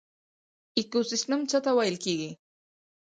ایکوسیستم څه ته ویل کیږي